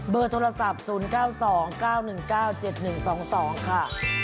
โทรศัพท์๐๙๒๙๑๙๗๑๒๒ค่ะ